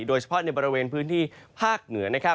โดยเฉพาะในบริเวณพื้นที่ภาคเหนือนะครับ